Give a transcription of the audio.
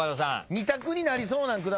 ２択になりそうなんください。